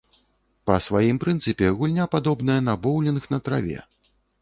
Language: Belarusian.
Па сваім прынцыпе гульня падобная на боўлінг на траве.